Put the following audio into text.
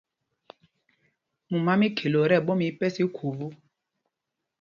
Mumá mí Khɛloo ɛ tí ɛɓɔma ípɛs í khubú.